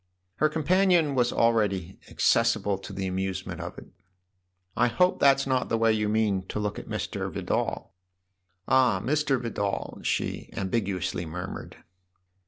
Her companion was already accessible to the amusement of it. " I hope that's not the way you mean to look at Mr. Vidal !" "Ah, Mr. Vidal !" she ambiguously murmured.